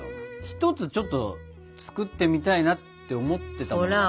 一つちょっと作ってみたいなって思ってたんですよ。